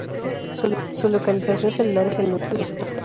Su localización celular es el núcleo y citoplasma.